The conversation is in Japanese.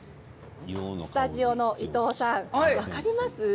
スタジオのいとうさん分かりますか？